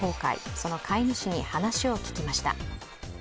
その飼い主に話を聞きました。